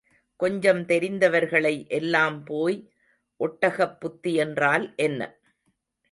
கொஞ்சம் தெரிந்தவர்களை எல்லாம் போய் ஒட்டகப் புத்தி என்றால் என்ன?